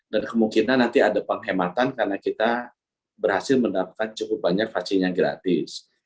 dan kemungkinan nanti ada penghematan karena kita berhasil mendapatkan cukup banyak vaksin yang gratis